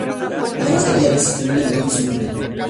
Además Gary y Alexis terminan llevándose muy bien.